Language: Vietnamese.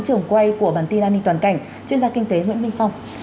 trưởng quay của bản tin an ninh toàn cảnh chuyên gia kinh tế nguyễn minh phong